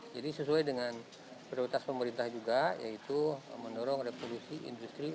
jadi sesuai dengan prioritas pemerintah juga yaitu mendorong reproduksi industri empat